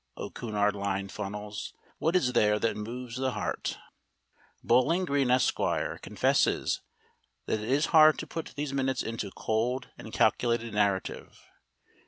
O Cunard Line funnels! What is there that so moves the heart? Bowling Green, Esq., confesses that it is hard to put these minutes into cold and calculated narrative.